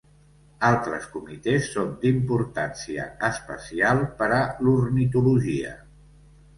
Altres comitès són d'importància especial per a l'ornitologia.